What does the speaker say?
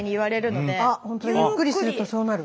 ゆっくりするとそうなる。